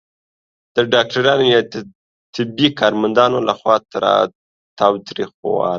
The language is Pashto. د ډاکټرانو یا طبي کارمندانو لخوا تاوتریخوالی